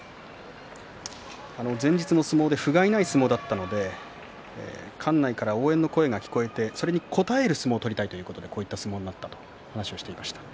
前日の相撲でふがいない相撲だったので館内から応援の声が聞こえてそれに応える相撲を取りたいということで、こういった相撲になったという話をしていました。